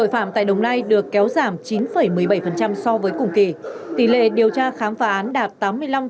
phạm tại đồng nai được kéo giảm chín một mươi bảy so với cùng kỳ tỷ lệ điều tra khám phá án đạt tám mươi năm năm mươi một